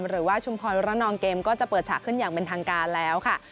หรือว่าชุมพรระนองเกมก็จะเปิดฉากขึ้นอย่างเป็นทางการแล้วค่ะ